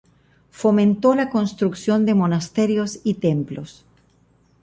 Fomentó la construcción de monasterios y templos.